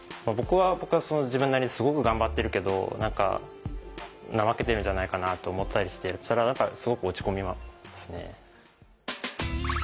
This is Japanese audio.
僕は自分なりにすごく頑張ってるけど怠けてるんじゃないかなと思ったりしてすごく落ち込みますね。